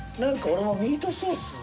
俺もミートソース。